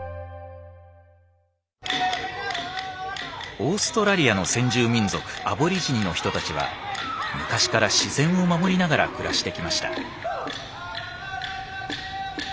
オーストラリアの先住民族アボリジニの人たちは昔から自然を守りながら暮らしてきました。